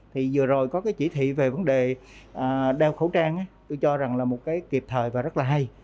thì vừa rồi có cái chỉ thị về vấn đề đeo khẩu trang tôi cho rằng là một cái kịp thời và rất là hay